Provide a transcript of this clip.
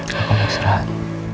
kamu bisa bernafas